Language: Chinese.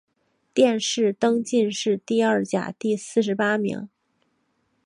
殿试登进士第二甲第四十八名。